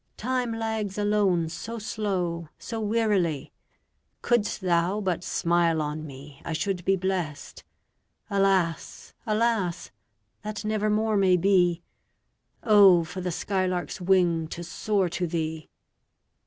Time lags alone so slow, so wearily; Couldst thou but smile on me, I should be blest. Alas, alas! that never more may be. Oh, for the sky lark's wing to soar to thee!